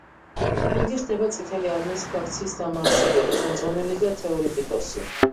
იგი ხდება წითელი არმიის ფრაქციის დამაარსებელი, ხელმძღვანელი და თეორეტიკოსი.